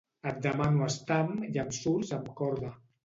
Et demano estam i em surts amb corda.